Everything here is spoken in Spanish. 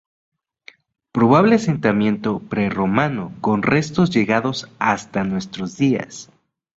Probable asentamiento prerromano con restos llegados hasta nuestros días.